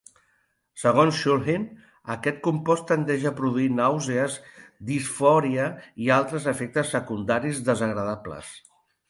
Segons Shulgin, aquest compost tendeix a produir nàusees, disfòria i altres efectes secundaris desagradables.